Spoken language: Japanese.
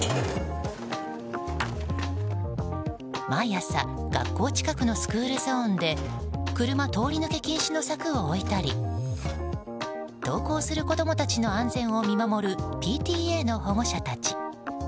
毎朝学校近くのスクールゾーンで車通り抜け禁止の柵を置いたり登校する子供たちの安全を見守るＰＴＡの保護者たち。